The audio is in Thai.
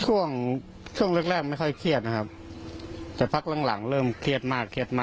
วันนี้ไม่ค่อยเครียดนะครับแต่พักหลังเครียดมากละ